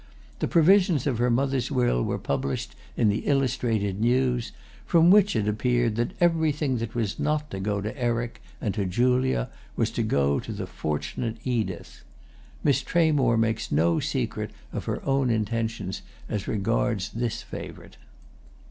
The provisions of her mother's will were published in the "Illustrated News"; from which it appeared that everything that was not to go to Eric and to Julia was to go to the fortunate Edith. Miss Tramore makes no secret of her own intentions as regards this favourite.